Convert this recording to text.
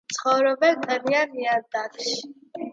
ცხოვრობენ ტენიან ნიადაგში.